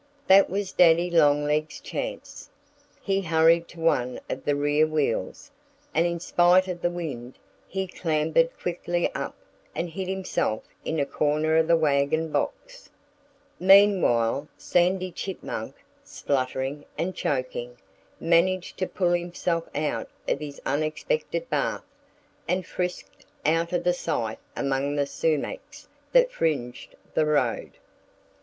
That was Daddy Longlegs' chance. He hurried to one of the rear wheels. And in spite of the wind he clambered quickly up and hid himself in a corner of the wagon box. Meanwhile Sandy Chipmunk, spluttering and choking, managed to pull himself out of his unexpected bath and frisked out of sight among the sumacs that fringed the road.